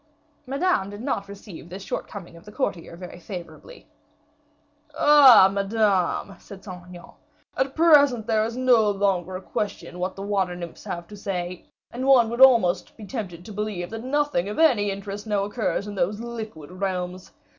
Madame did not receive this shortcoming of the courtier very favorably. "Ah! madame," added Saint Aignan, "at present it is no longer a question what the water nymphs have to say; and one would almost be tempted to believe that nothing of any interest now occurs in those liquid realms.